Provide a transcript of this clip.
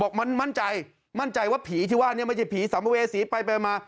มั่นใจมั่นใจว่าผีที่ว่าเนี่ยไม่ใช่ผีสัมภเวษีไปไปมา